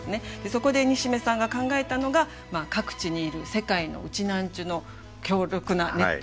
そこで西銘さんが考えたのが各地にいる世界の「ウチナーンチュ」の強力なネットワークなんですね。